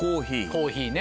コーヒーね。